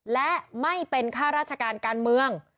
และไม่เป็นข้าราชการการเมือง